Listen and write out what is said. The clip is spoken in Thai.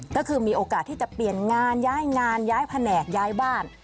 ก็คือมีโอกาสที่จะเปลี่ยนงานย้ายงานย้ายแผนกย้ายบ้าน